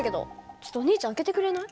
ちょっとお兄ちゃん開けてくれない？